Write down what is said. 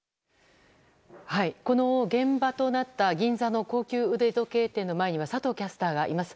この現場となった銀座の高級腕時計店の前には佐藤キャスターがいます。